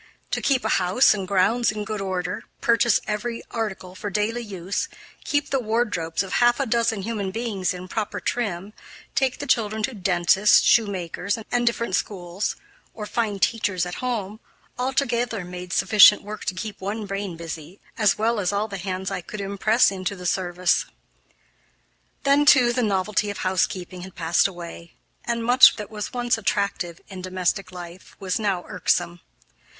To keep a house and grounds in good order, purchase every article for daily use, keep the wardrobes of half a dozen human beings in proper trim, take the children to dentists, shoemakers, and different schools, or find teachers at home, altogether made sufficient work to keep one brain busy, as well as all the hands I could impress into the service. Then, too, the novelty of housekeeping had passed away, and much that was once attractive in domestic life was now irksome.